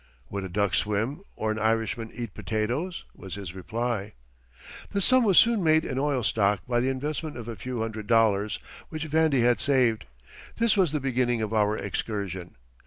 "Would a duck swim or an Irishman eat potatoes?" was his reply. The sum was soon made in oil stock by the investment of a few hundred dollars which "Vandy" had saved. This was the beginning of our excursion.